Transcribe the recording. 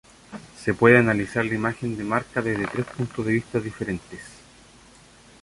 Se puede analizar la imagen de marca desde tres puntos de vista diferentes.